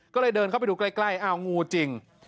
ก็เลยเดินเข้าไปดูใกล้อ้าวงูจริง